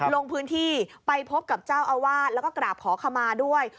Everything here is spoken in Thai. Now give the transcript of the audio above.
ลงพื้นที่ไปพบกับเจ้าอาวาสแล้วก็กราบขอขมาด้วย